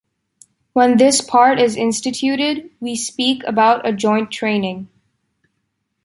When this part is instituted, we speak about a joint training.